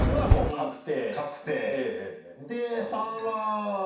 確定。